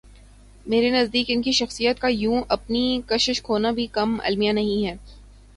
میرے نزدیک ان کی شخصیت کا یوں اپنی کشش کھونا بھی کم المیہ نہیں ہے۔